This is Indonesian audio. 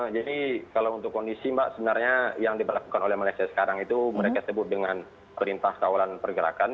jadi kalau untuk kondisi mbak sebenarnya yang diperlakukan oleh malaysia sekarang itu mereka sebut dengan perintah kawalan pergerakan